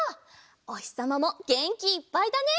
おひさまもげんきいっぱいだね！